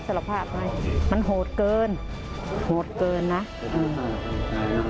สวัสดีครับ